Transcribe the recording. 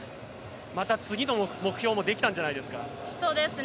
また次の目標もできたんじゃないですか。